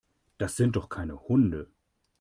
Das sind doch keine Hunde.